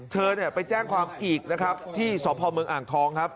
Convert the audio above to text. เธอเนี่ยไปแจ้งความอีกนะครับที่สพเมืองอ่างทองครับ